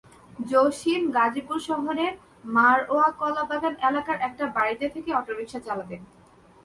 জসিম গাজীপুর শহরের মারওয়া কলাবাগান এলাকার একটি বাড়িতে থেকে অটোরিকশা চালাতেন।